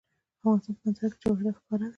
د افغانستان په منظره کې جواهرات ښکاره ده.